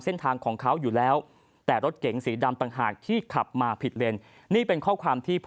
เท่าไปแต่รถเก่งสีดำตังหากที่ขับมาผิดเงินนี่เป็นข้อความที่ผู้